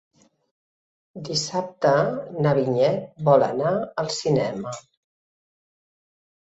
Dissabte na Vinyet vol anar al cinema.